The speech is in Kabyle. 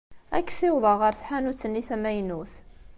Ad k-ssiwḍeɣ ɣer tḥanut-nni tamaynut.